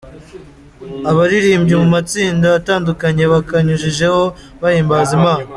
Abaririmbyi mu matsinda atandukanye bakanyujijeho bahimbaza Imana.